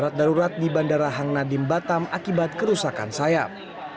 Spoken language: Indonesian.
perahang nadiem batam akibat kerusakan sayap